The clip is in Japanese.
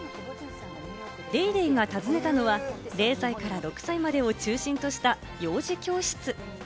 『ＤａｙＤａｙ．』が訪ねたのは、０歳から６歳までを中心とした幼児教室。